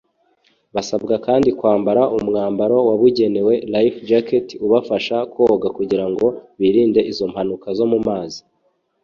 Basabwa kandi kwambara umwambaro wabugenewe (life jacket) ubafasha koga kugira ngo birinde izo mpanuka zo mu mazi